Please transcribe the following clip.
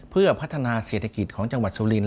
เพื่อพัฒนาเศรษฐกิจของจังหวัดสุรินท